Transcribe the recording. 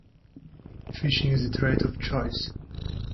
"Fishing is the trade of choice".